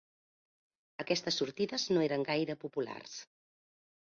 Aquestes sortides no eren gaire populars